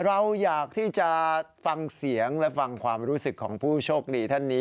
เราอยากที่จะฟังเสียงและฟังความรู้สึกของผู้โชคดีท่านนี้